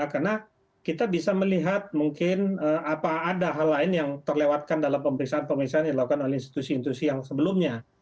karena kita bisa melihat mungkin apa ada hal lain yang terlewatkan dalam pemeriksaan pemeriksaan yang dilakukan oleh institusi institusi yang sebelumnya